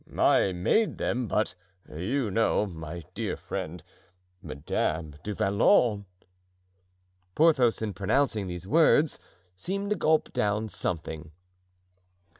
I made them, but you know, my dear friend, Madame du Vallon——" Porthos, in pronouncing these words, seemed to gulp down something.